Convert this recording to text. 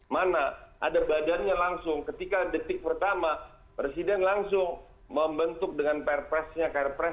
mana ada badannya langsung ketika detik pertama presiden langsung membentuk dengan perpresnya perpres